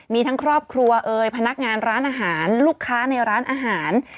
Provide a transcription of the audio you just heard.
มีทั้งครอบครัวเอ่ยพนักงานร้านอาหารลูกค้าในร้านอาหาร